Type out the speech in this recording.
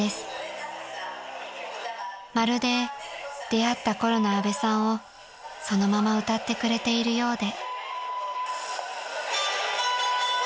［まるで出会ったころの阿部さんをそのまま歌ってくれているようで］